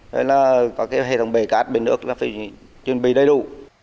hay là các hệ thống bể cát bể nước là phải chuẩn bị đầy đủ